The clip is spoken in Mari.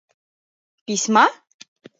— Письма?!